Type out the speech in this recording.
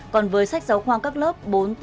còn với sách giáo khoa các lớp bốn tám một mươi một